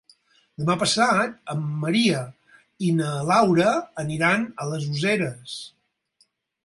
Demà passat en Maria i na Laura aniran a les Useres.